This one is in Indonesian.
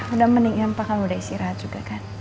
udah meningin pakan udah istirahat juga kan